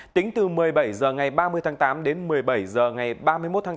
tính từ một mươi bảy h ngày ba mươi tháng tám đến một mươi bảy h ngày ba mươi một tháng tám